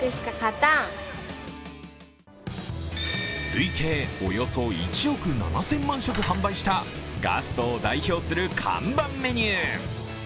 累計およそ１億７０００万食販売したガストを代表する看板メニュー。